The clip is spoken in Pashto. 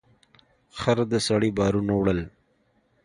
خر د سړي بارونه وړل.